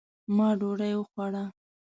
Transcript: ما ډوډۍ وخوړه